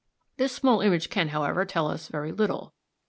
This small image can, however, tell us very little.